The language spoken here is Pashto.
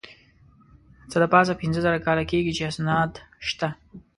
څه د پاسه پینځه زره کاله کېږي چې اسناد شته.